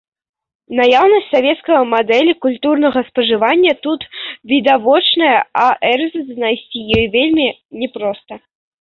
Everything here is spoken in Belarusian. Наяўнасць савецкай мадэлі культурнага спажывання тут відавочная, а эрзац знайсці ёй вельмі не проста.